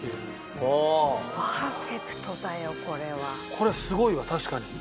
これすごいわ確かに。